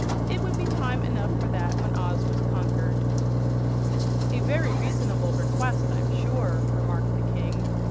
It would be time enough for that when Oz was conquered. "A very reasonable request, I'm sure," remarked the King.